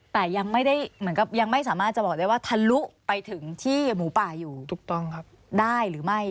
แต่ยังไม่สามารถจะบอกได้ว่าทะลุไปถึงที่หมูป่าอยู่ได้หรือไม่